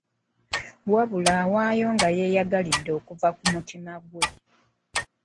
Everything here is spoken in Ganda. Wabula awaayo nga yeeyagalidde okuva ku mutima gwe.